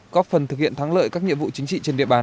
góp phần thực hiện thắng lợi các nhiệm vụ chính trị trên địa bàn